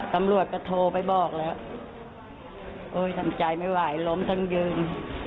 ตำรวจก็โทรไปบอกแล้วโอ้ยทำใจไม่ไหวล้มทั้งยืน